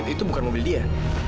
itu bukan mobil dia